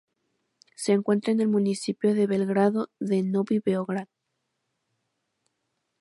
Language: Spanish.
Se encuentra en el municipio de Belgrado de "Novi Beograd".